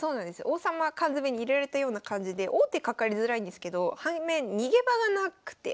王様缶詰に入れられたような感じで王手かかりづらいんですけど反面逃げ場がなくて。